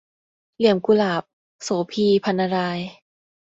เหลี่ยมกุหลาบ - โสภี พรรณราย